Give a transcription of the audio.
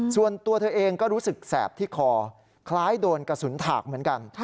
ส่วนตัวเธอเองก็รู้สึกแสบที่คอคล้ายโดนกระสุนถากเหมือนกัน